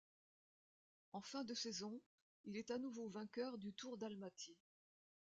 En fin de saison, il est à nouveau vainqueur du Tour d'Almaty.